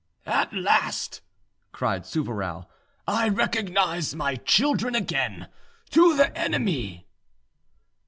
"At last," cried Souvarow, "I recognise my children again. To the enemy!"